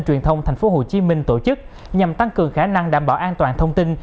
truyền thông tp hcm tổ chức nhằm tăng cường khả năng đảm bảo an toàn thông tin